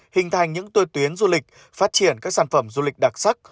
hình thành những tuồi tuyến du lịch phát triển các sản phẩm du lịch đặc sắc